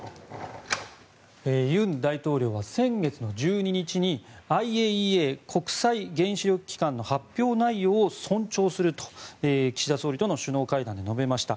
尹大統領は先月１２日にＩＡＥＡ・国際原子力機関の発表内容を尊重すると岸田総理との首脳会談で述べました。